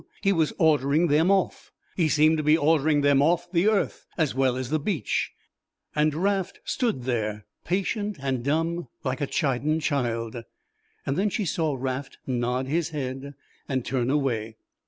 He was ordering them off. He seemed to be ordering them off the earth as well as the beach. And Raft stood there patient and dumb like a chidden child. Then she saw Raft nod his head and turn away.